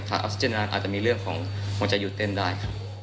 ขาดออกซิเจนนานอาจจะมีเรื่องของห่วงใจอยู่เต้นได้